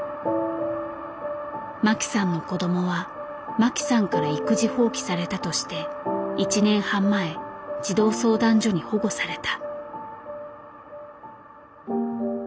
マキさんの子どもはマキさんから育児放棄されたとして１年半前児童相談所に保護された。